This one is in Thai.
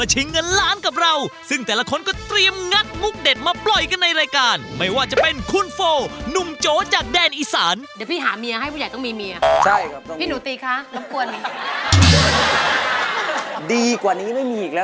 ดีกว่านี้ไม่มีอีกแล้วเหรอครับ